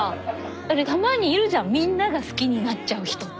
だってたまにいるじゃんみんなが好きになっちゃう人って。